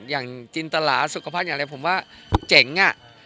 อย่างจินตลาสุขภาพอย่างไรผมว่าเจ๋งอ่ะ